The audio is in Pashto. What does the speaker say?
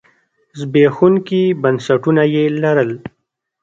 زبېښونکي بنسټونه یې لرل.